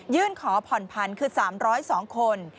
ยื่นขอผ่อนพันธุ์คือ๓๐๒คน